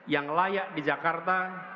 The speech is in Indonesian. yang layak di jakarta